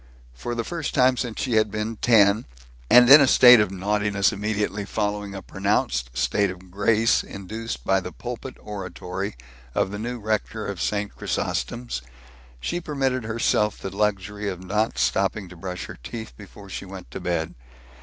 For the first time since she had been ten and in a state of naughtiness immediately following a pronounced state of grace induced by the pulpit oratory of the new rector of St. Chrysostom's she permitted herself the luxury of not stopping to brush her teeth before she went to bed.